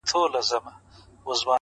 o مجاهد د خداى لپاره دى لوېــدلى؛